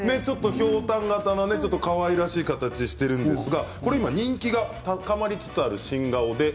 ひょうたん形のかわいらしい形をしていますが今、人気が高まりつつある新顔です。